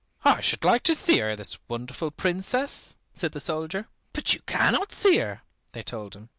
"I should like to see her, this wonderful Princess," said the soldier. "But you cannot see her," they told him.